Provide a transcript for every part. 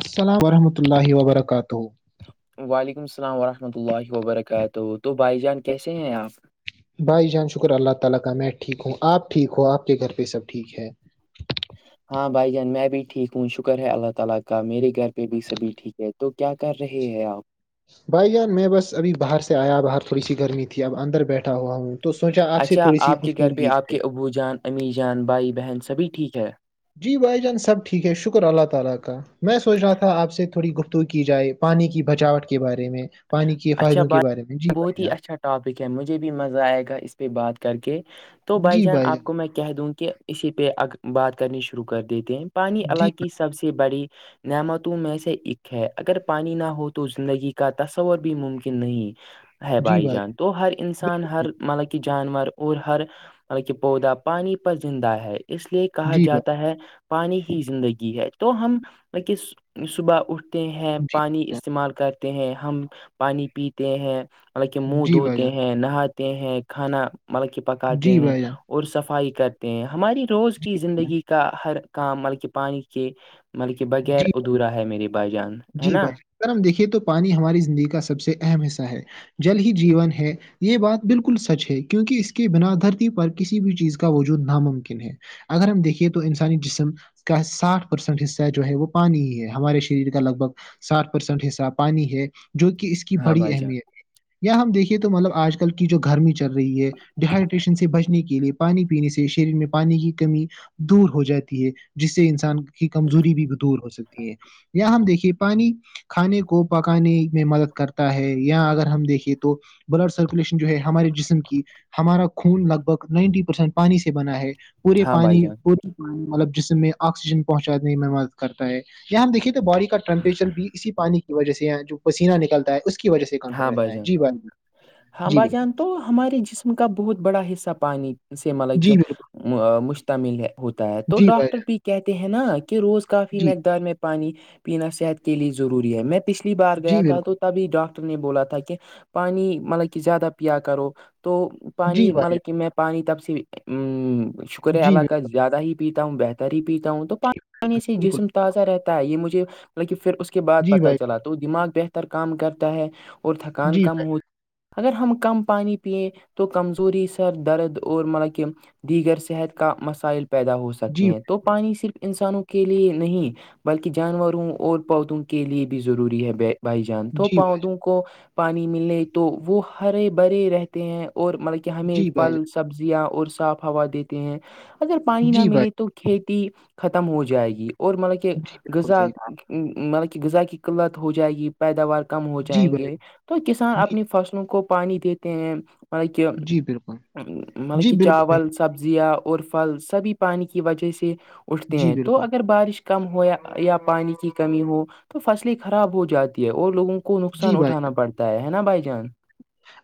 السلام ورحمۃ اللہ وبرکاتہ وعلیکم السلام ورحمۃ اللہ وبرکاتہ تو بھائی جان کیسے ہیں آپ بھائی جان شکر اللہ تعالی کا میں ٹھیک ہوں آپ ٹھیک ہوں آپ کے گھر پہ سب ٹھیک ہے [inaudible] ہاں بھائی جان میں بھی ٹھیک ہوں شکر ہے اللہ تعالی کا میرے گھر پہ بھی سبھی ٹھیک ہے تو کیا کر رہے ہیں اپ بھائی جان میں بس ابھی باہر سے آیا باہر تھوڑی سی گرمی تھی اب اندر بیٹھا ہوا ہوں تو سوچا آپ سے اچھا تھوڑی سی آپ کے گھر گفتوگیر آپ کے پہ ابو جان امی جان بھائی بہن سبھی ٹھیک ہے جی بھائی جان سب ٹھیک ہیں شکر اللہ تعالی کا میں سوچ رہا تھا آپ سے تھوڑی گفتگ کی جائے پانی کی بچاوٹ کے بارے میں پانی کے اچھا فائدوں کے بھائی بارے میں جی بہت بھائی ہی جان اچھا ٹاپک ہے مجھے بھی مزہ آئے گا اس پہ بات کر کے تو بھائی جان آپ کو میں کیا کہہ دوں کہ اسی پہ بات کرنی شروع کر دیتے ہیں پانی جی علاقی سب سے بڑی نعمتوں میں سے ایک ہے اگر پانی نہ ہو تو زندگی کا تو تصور بھی ممکن نہیں ہے بھائی جان تو ہر انسان بالکل صحیح۔ ہر مطلب کہ جانور اور ہر بلکہ پودا پانی پر زندہ ہے اس لیے کہا جی بھائی جاتا ہے پانی ہی زندگی ہے تو ہم کس صبح اٹھ ہیں پانی استعمال کرتے ہیں ہم پانی پیتے ہیں مطلب کہ منہ جی بھائی جان دھوتے ہیں نہاتے ہیں کھانا مطلب کہ پکاتے جی ہیں بھائی جان اور صفائی کرتے ہیں ہماری روز کی جی بھائی جان جی بھائی جان زندگی کا ہر کام بلکہ پانی کے بغیر جی ادھورا ہے میرے بھائی جان ہے جی نا بھائی جان اگر ہم دیکھے تو پانی ہماری زندگی کا سب سے اہم حصہ ہے جل ہی جیون ہے یہ بات بالکل سچ ہے کیونکہ اس کے بنا دھرتی پر کسی بھی چیز کا کا وجود ناممکن ہے اگر ہم دیکھیے تو انسانی جسم کا ساٹھ پرسینٹ حصہ جو ہے وہ پانی ہی ہے ہمارے شریر کے لگ بھگ سات پرسینٹ حصہ پانی ہے جو کہ اس کی ہاں بڑی بھائی جان اہمیت ہے یا ہم دیکھیے تو مطلب آج کل کی جو گرمی چل رہی ہے ڈہائیڈریشن سے بچنے کے لیے پانی پینے سے شریر میں پانی کی کمی دور ہو جاتی ہے جس سے انسان کی کمزوری بھی دور ہو سکتی ہے یا ہم دیکھیے پانی کھانے کو پکانے میں مدد کرتا ہے یا اگر ہم دیکھے تو بلڈ سرکولیشن جو ہے ہمارے جسم کی ہمارا خون لگ بھگ نائنٹی پرسینٹ پانی سے بنا ہے پورے ہاں بھائی پانی جان پوری مطلب جسم میں آکسیجن پہنچانے میں مدد کرتا ہے یہاں دیکے باڈی کا ٹمپریچر بھی اسی پانی کی وجہ سے ہے جو پسیینہ نکلتا ہے اسی وجہ سے کنٹرول رہتا ہے جی بھائی جان ہاں جی بھائی بالکل جان تو ہمارے جسم کا بہت بڑا حصہ پانی سے مطلب کہ جی بالکل مشتمل ہے ہوتا ہے تو جی بھائی ڈاکٹر جان بھی کہتے ہیں نا کہ روز کافی جی مقدار میں پانی پینا صحت کے لیے ضروری ہے میں پچھلی بار گیا جی تھا بالکل تو تبھی ڈاکٹر نے بولا تھا کہ پانی مطلب کہ زیادہ پیا کرو تو جی پانی بھائی مطلب جان کہ میں پانی تب سے شکریہ جی علا بالکل کاہ زیادہ ہی پیتا ہوں بہتر ت ہی پیتا ہوں تو پانی سے بالکل جسم تازہ رہتا ہے یہ مجھے مطلب کہ پھر اس کے بعد جی پتہ بھائی چلا دماغ بہتر کام کرتا ہے اور تھکان جی کم بھائی ہوتا اگر ہم کم پانی پیئیں تو کمزوری سر درد اور مطلب کہ دیگر صحت کا مسائل پیدا ہو سکتے جی ہیں تو پانی صرف انسانوں کے لیے نہیں بلکہ جانوروں اور پودوں کے لیے بھی ضروری ہے بھائی جان تو جی بھائی جان پودوں کو پانی ملے تو وہ ہرے بھرے رہتے ہیں اور مطلب کہ ہمیں جی بھائی پل سبزیاں اور صاف ہوا دیتے ہیں اگر جان پانی نہ جی بھائی ملے تو کھیتی ختم ہو جائے گی اور مطلب کہ جی بالکل غذا صحیح کہا مطلب کہ غذا کی قلت ہو جائے گی پیداوار کم ہو جی جائیں بھائی گے تو کسان جی اپنی فصلوں کو پانی دیتے ہیں مطلب کی جی بالکل مطلب جی کی بالکل صحیح چاول سبزیاں اور پھل سبھی پانی کی وجہ سے اٹھتے جی ہیں تو بالکل اگر بارش کم ہو یا پانی کی کمی ہو تو فصلیں خراب ہو جاتی ہے اور لوگوں کو کو جی نقصان بھائی جان اٹھانا پڑتا ہے نا بھائی جان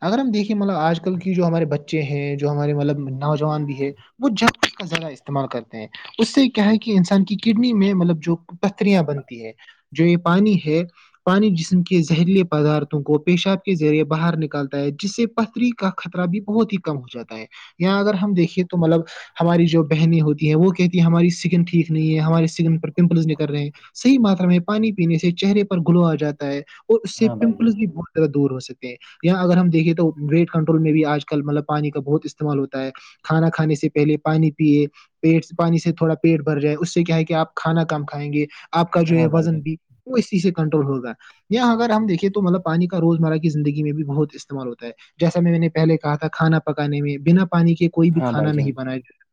اگر ہم دیکھے مطلب آج کل کی جو ہمارے بچے ہیں جو ہمارے مطلب نوجوان بھی ہے وہ جب کا زذیادہ استعمال کرتے ہیں اس سے کیا ہے کہ انسان کی کڈنی میں مطلب جو پتریاں بنتی ہے جو یہ پانی ہے پانی جسم کے زہریلی پدارتوں کو پیشاب کے ذریعے باہر نکل نکالتا ہے جس سے پتری کا خطرہ بھی بہت ہی کم ہو جاتا ہے یہاں اگر ہم دیکے تو مطلب ہماری جو بہنیں ہوتی ہیں وہ کہتی ہے ہماری اسکن ٹھیک نہیں ہے ہمارے سکن پر پمپلز نکل رہے ہیں صحیح ماترا میں پانی پینے سے چہرے پر گھلو آ جاتا ہے اور اس سے ہاں بھائی جان پمپلس بھی بہت زیادہ دور ہو سکتے ہیں اں اگر ہم دیکھے تو ویٹ کنٹرول میں بھی آج کل مطلب پانی کا بہت استعمال ہوتا ہے کھانا کھانے سے پہلے پانی پیے پیٹ پانی سے تھوڑا پیٹ بھر جائے اس سے کیا ہے کہ آپ کھانا کم کھائیں گے آپ کا جو ہے ہاں بھائی وزن جان بھی اس چیز سے کنٹرول ہوگا یااں اگر ہم دیکھیں تو مطلب پانی کا روزمرہ کی زندگی میں بھی بہت استعمال ہوتا ہے جیسا میں میں نے پہلے کہ تھا کھانا پکانے میں بنا پانی کے کوئی بھی ہاں بھائی کھانا نہیں جان بنایا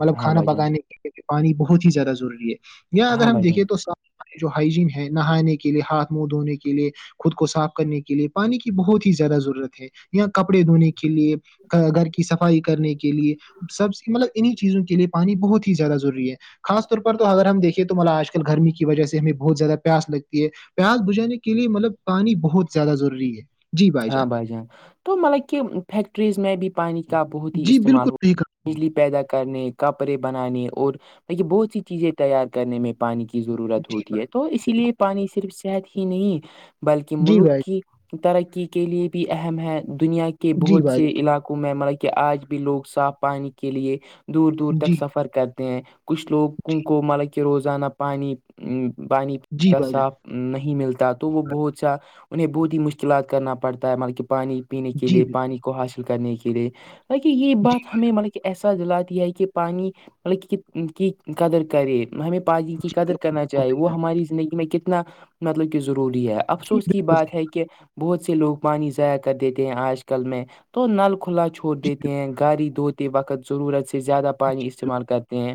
مطلب ہاں کھانا بھائی جان پکانے کے لیے پانی بہت ہی زیادہ ضروری ہے یا اگر ہاں ہم بھائی جان دیکیں تو جو ہائجین ہے نہانے کے لیے ہاتھ منہ دھونے کے لیے خود کو صاف کرنے کے لیے پانی کی بہت ہی زیادہ ضرورت ہے یا کپڑے دھونے کے لیے گھر کی صفائی کرنے کی کے لیے سب مطلب انہیں چیزوں کے لیے پانی بہت ہی زیادہ ضروری ہے خاص طور پر تو اگر ہم دیکے تو ما آج کل گرمی کی وجہ سے ہمیں بہت زیادہ پیاس لگتی ہے پیاس بجانے کے لیے مطلب پانی بہت زیادہ ضروری ہے ہاں بھائی جان تو مطلب کہ فیکٹریز میں بھی پانی کا بہت ہی جی استعمال بالکل ہوا صحیح کہا آپ نے بجلی پیدا کرنے کپڑے بنانے اور م بہت سی چیزیں تیار کرنے میں پانی کی ضرورت جی بھائی، ہوتی ہے تو اسی لیے پانی صرف شحت ہی نہیں بلکہ جی ملک بھائی کی ترقی کے لیے بھی اہم ہے دنیا کے جی بہت بھائی سے علاقوں میں مرقی آج بھی لوگ صاف پانی کے لئے دور دور جان تک جی سفر کرتے کچھ لوگ کو مطلب کہہ روزانہ پانی پانی جی بھائی جان صاف نہیں ملتا تو وہ بہت سا انہیں بہت ہی مشکلات کرنا پڑتا ہے مطلب کہ پانی پینے کے جی لیے بالکل، پانی کو حاصل کرنے کے لیے مطہ یہ جی، بات ہمیں مطلب ایسا لات یہ ہے کہ پانی ملک کی قدر کرے ہمیں پی کی جی قدر بالکل، کرنا بالکل، چاہیے وہ ہماری زندگی میں کتنا مطلب کہ ضروری ہے جی افسوس کی بالکل بات صحیح ہے کہا، کہ بہت سے لوگ پانی ضائع کر دیتے ہیں آج کل میں تو نل کھلا چھوڑ جی دیتے ہیں گاڑ د وقت ضرورت سے زیادہ پانی بالکل، استعمال کرتے ہیں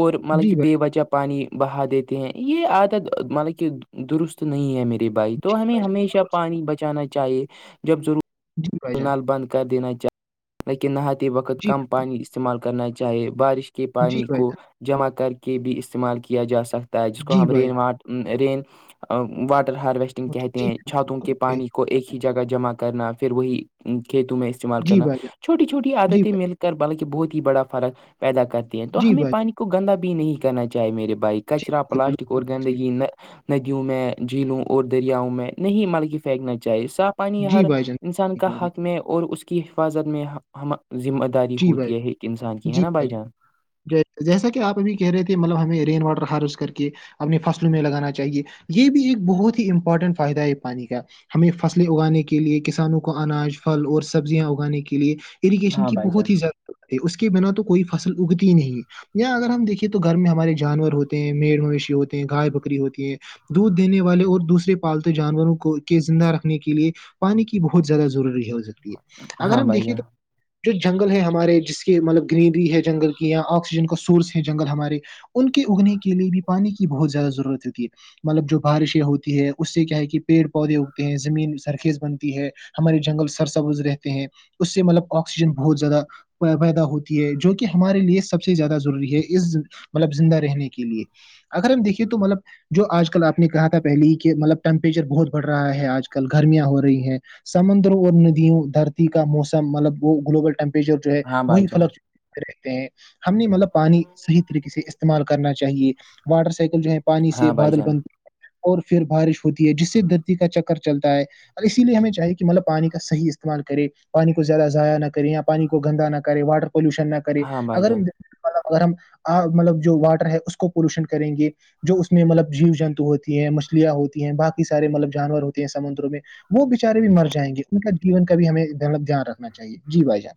اور مطلب جی بالکل، جی کہ بے بھائی وجہ پانی بہا دیتے ہیں یہ عادت مطلب کہ درست نہیں ہے میرے بھائی جی تو ہمیں بھائی جان ہمیشہ بالکل صحیح، پانی بچانا چاہیے جب ضرور جی بھائی جان، نال بند کر دینا چاہی لیکن نہات وقت جی، کم پانی استعمال کرنا چاہیے بارش کے جی پانی بھائی کو جان، جمع کر کے بھی استعمال کیا جا سکتا ہے جس کو جی ہم بھائی رین جان، واٹر رین واٹر ہارویسٹنگ مطلب کہتے جی ہیں بالکل، چھاتوں کے بالکل کے صحیح، پانی کو ایک ہی جگہ جمع کرنا پھر وہی کھیتوں میں استعمال جی کرنا بھائی جان، چھوٹی چھوٹی جی عادتیں بھائی مل کر بلکہ بہت ہی بڑا فرق پیدا کرتے ہیں تو جی ہمیں بھائی پانی جان، کو گندا بھی نہیں کرنا چاہے میرے بھائی جی کچرا بالکل، پلاسٹک بالکل، اور بالکل گندگی صحیح، نہ ندیوں میں جھیلوں اور دریاں میں نہیں ملک پھینکنا چاہیے صاف پانی جی ہر بھائی جان، انسان کا جی بھائی حق میں اور اس کی حفاظت میں ہم ذمہ داری جی ہوتی ہے انسان کی ہے نا بھائی جان ج جیسا کہ آپ ابھی کہہ رہے تھے مطلب ہمیں رین واٹر ہاروش کر کے اپنے فصلوں میں لگانا چاہیے یہ بھی ایک بہت ہی امپورٹنٹ فائدہ ہے پانی کا ہمیں فصلیں اگانے کے لیے کسانوں کو اناج پھل اور سبزیاں اگانے کے لیے اریگیشن ہاں کی بھائی جان بہت ہی اس کے بنا تو کوئی فصل اگتی نہیں یا اگر ہم دیکھیے تو گھر میں ہمارے جانور ہوتے ہیں میڑ مویشی ہوتے ہیں گائے بکری ہوتی ہیں دودھ دینے والے اور دوسرے پالتےو جانوروں کو کے زندہ رکھنے کے لیے پانی کی بہت زیادہ ضروری ہے ہو سکتی ہے اگر ہاں ہم بھائی دیکھے جان تو جو جنگل ہے ہمارے جس کے مطلب گرینری ہے جنگل کی یا آکسیجن کا سورس ہے جنگل ہمارے ان کے اگنے کے لیے بھی پانی کی بہت زیادہ ضرورت ہوتی ہے مطلب جو بارشیں ہوتی ہے اس سے کیا ہے کہ پیڑ پودے ہوگتے ہیں زمین سرخیز بنتی ہے ہمارے جنگل سرسبوز رہتے ہیں اس سے مطلب آکسیجن بہت زیادہ پیدا ہوتی ہے جو کہ ہمارے لیے سب سے زیادہ ضروری ہے اس مطلب زندہ رہنے کے لیے اگر ہم دیکے تو مطلب جو آج کل آپ نے کہا تھا پہلے ہی کہ مطلب ٹیمپریچر بہت بڑھ رہا ہے آج کل گرمیاں ہو رہی ہیں سمندروں اور ندیوں دھرتی کا موسم مطلب وہ گلوبل ٹیمپریچر جو ہے ہاں بھائی وہی جان فلق رہتے ہیں ہم نے مطلب پانی صحیح طریقے سے استعمال کرنا چاہیے واٹر سائیکل جو ہے پانی سے ہاں بھائی بادل جان بنتی ہے اور پھر بارش ہوتی ہے جس سے دھرتی کا چکر چلتا ہے ا اسی لیے ہمیں چاہیے کہ مطلب پانی کا صح استعمال کرے پانی کو زیادہ ضائع نہ کریں یا پانی کو گندا نہ کرے واٹر پولوشن نہ کرے ہاں بھائی اگر جان مب اگر ہم مطلب جو واٹر ہے اس کو پولوشن کریں گے جو اس میں مطلب جیو جنتو ہوتی ہیں مچھلیاں ہوتی ہیں باقی سارے مطلب جانور ہوتے ہیں سمندر میں وہ بچارے بھی مر جائیں گے ان کا جیون کا بھی ہمیںب دھیان رکھنا چاہیے جی بھائی جان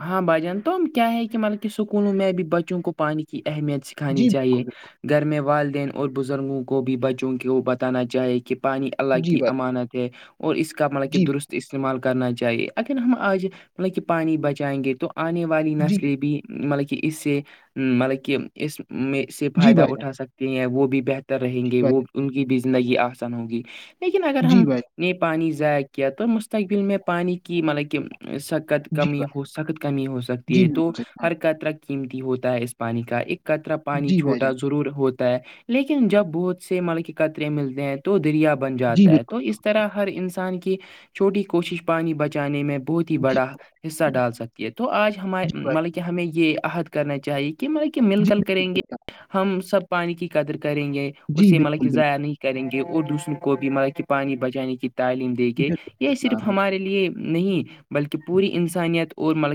ہاں بھجان تو کیا ہے کہ مطلب کہ اسکولوں میں بھی بچوں کو پانی کی اہمیت سے کھانی جی چاہیے بالکل بالکل گھر میں والدین اور بزرگوں کو بھی بچوں کو بتانا چاہے کہ کہ پانی اللہ جی کی بھائی امانت ہے اور اس کا مطلب کہ جی درست استعمال کرنا چاہیے اگر ہم آج مطلب کہ پانی بچائیں گے تو آنے والی جی نسلیں بھی مطلب کہ اس سے مطلب کہ اس میں اس سے جی فائدہ بھائی جان اٹھا سکتے ہیں وہ بھی بہتر رہیں گے وہ ان کی بھی زندگی آسان ہوگی لیکن اگر جی ہم بھائی جان، جی بھائی نے پانی ضائع کیا تو مستقبل میں پانی کی مطلب کہ سقت جی کمی بھائی سخت کمی ہو سکتی جی ہے تو بالکل صحیح کہا آپ ہر قطرح قیمتی ہوتا ہے اس پانی کا ایک کطرا نے۔ پانی جی بھائی چھوٹا جان ضرور ہوتا ہے لیکن جب بہت سے مطلب کہ قطرے ملتے ہیں تو دریا بن جی جاتا ہے بالکل تو اس طرح ہر انسان کی چھوٹی کوشش پانی بچانے میں بہت ہی جی بڑا حصہ ڈال سکتی ہے تو آج ہمار جی بھائی مطلب کہ ہمیں یہ عحد کرنا چاہیے کہ مطل کہ مل جی کل بالکل کریں گے صحیح کہا ہم سب پانی کی قدر کریں گے جی اسے مطلب کہ بالکل بالکل ضائع نہیں کریں گے اور دوسروں کو بھی مطلب کہ پانی بچانے کی تعلیم دیکھ بالکل صحیح یہ کہا صرف آپ نے ہمارے لیے نہیں بلکہ پوری انسانیت اور مل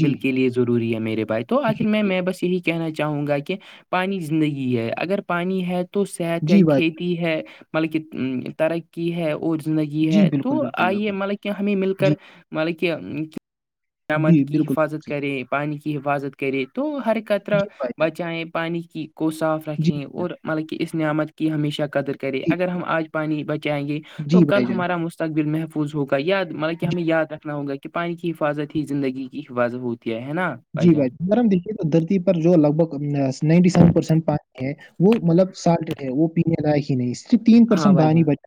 جی کے لیے ضروری ہے میرے بھائی تو آخر جی میں بھائی میں بس یہی کہنا چاہوں گا کہ پانی زندگی ہے اگر پانی ہے تو صحت ہے جی بھائی کھیتی ہے مطلب کہ ترقی ہے اور زندگی جی ہے بالکل تو بالکل آئیے بالکل مطلب کہ ہمیں مل کر جی مطلب کہ نمد جی کی بالکل حفاظت بالکل کرے پانی کی حفاظت کرے تو حرکت صحیح طرح جی بھائی جان بچائیں پانی کی کو صاف جی رکھیں بھائی جان اور مطلب کہ اس نعمت کی ہمیشہ قدر کرے جی اگر ہم آج پانی بچائیں گے تو جی کل بھائی جان ہمارا مستقبل محظ محفوظ ہوگا یا مطلب کہ ہمیں یاد رکھنا ہوگا کہ پانی کی حفاظت ہی زندگی کی حفاظت ہوتی ہے نا جی بھائی اگر ہم دیکھیے تو دھرتی پر جو لگ بھگ ننٹی سیون پرسینٹ پانی ہے وہ مطلب سالٹ ہے وہ پینے لائق ہی نہیں صرف تین ہاں پرسینٹ بھائی بانی جان بچ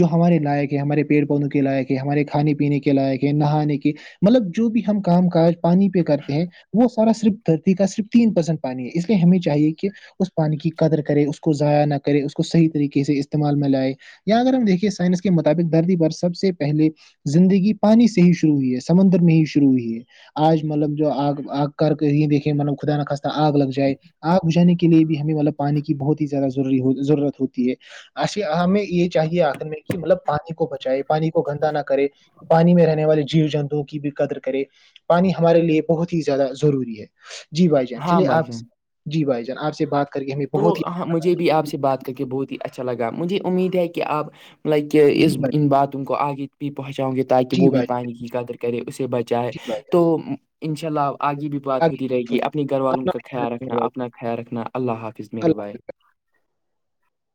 جو ہمارے لائق ہیں ہمارے پیڑ پودوں کے لائق ہیں ہمارے کھانے پینے کے لائق ہیں نہانے کے مطلب جو بھی ہم کام کاج پانی پہ کرتے وہ صرف دھرتی کا صرف تین پرسنٹ پانی ہے اس لیے ہمیں چاہیے کہ اس پانی کی قدر کرے اس کو ضائع نہ کرے اس کو صحیح طریقے سے استعمال میں لائے اں اگر ہم دیکھیے سائنس کے مطابق درد بھر سب سے پہلے زندگی پانی سے ہی شرو ہوئی ہے سمندر میں ہی شروع ہوئی ہے آج مطلب جو آگ آگ کر کے یہ دیکھیں مطلب خدا ن خستہ آگ لگ جائے آگ بجھانے کے لیے بھی ہمیں مطلب پانی کی بہت ہی زیادہضوری ہو ضرورت ہوتی ہے اش ہمیں یہ چاہیے آکھنے کہ مطلب پانی کو بچائے پانی کو گندا نہ کرے پانی میں رہنے والی جیو جنتوؤں کی بھی قدر کرے پانی ہمارے لیے بہت ہی زیادہ ضروری ہے جی بھائی جان ہاں چلیے بھائی آپ جان جی بھائی جان آپ سے بات کر کے ہمیں تو بہت ہی ہ مجھے بھی آپ سے بات کر کے بہت ہی اچھا لگا مجھے امید ہے کہ آپ لائک جی اس بھائی ان باتوں ان کو آگے بھی پہنچاؤں گے تاکہ جی وہ بھی بھائی پانی کی قدر کرے اسے بچائے جی بھائی جان تو ان شاء اللہ آگے بھی بات ہوتی آگے رہے گی اپنی گھر والوں اپنا کا خیال رکھنا رکھیں بھائی، اپنا خیال رکھنا اللہ حافظ میرے بائے